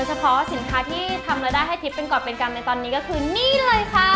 โดยเฉพาะสินค้าที่ทำรายได้ให้ทิพย์เป็นกรเป็นกรรมก็คือนี้เลยค่า